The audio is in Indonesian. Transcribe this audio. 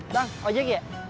bang ojek ya